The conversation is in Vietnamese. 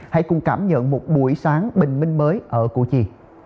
hãy cùng cảm nhận một buổi sáng bình minh mới ở củ chi